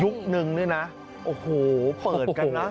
ยุคหนึ่งเนี่ยนะโอ้โหเปิดกันนะ